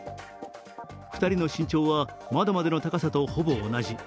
２人の身長は窓までの高さとほぼ同じ。